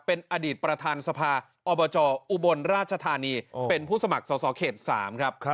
เป็นอดีตประธานสภาอบจอุบลราชธานีเป็นผู้สมัครสอสอเขต๓ครับ